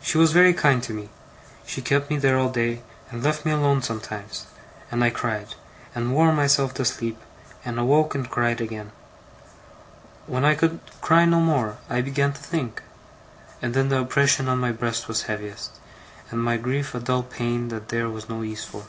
She was very kind to me. She kept me there all day, and left me alone sometimes; and I cried, and wore myself to sleep, and awoke and cried again. When I could cry no more, I began to think; and then the oppression on my breast was heaviest, and my grief a dull pain that there was no ease for.